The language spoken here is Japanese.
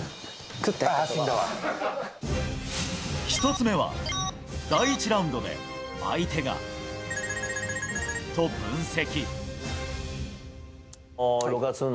１つ目は、第１ラウンドで相手が〇〇と分析。